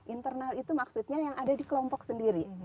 internal itu maksudnya yang ada di kelompok sendiri